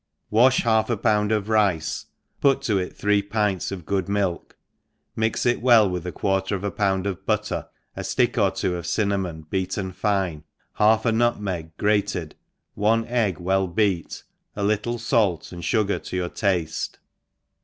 WASH half a pound of rice, put to it three plots of good milk, mix it well with a quarter of a pound of butter, a ftick or two of cinnamoa beaten fine, half a nutmeg grated, .one egg well beat, a little fait and fugar to your taftc.